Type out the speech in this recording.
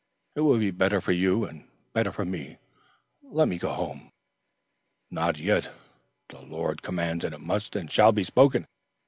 It will be better for you and better for me. Let me go home." "Not yet. The Lord commands, and it must and shall be spoken.